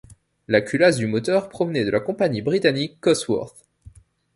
La culasse du moteur provenait de la compagnie britannique Cosworth.